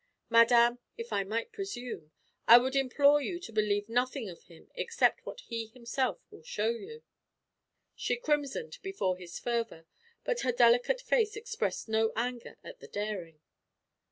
Madame, if I might presume, I would implore you to believe nothing of him except what he himself will show you." She crimsoned before his fervor, but her delicate face expressed no anger at the daring.